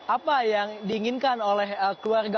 apa yang diinginkan oleh keluarga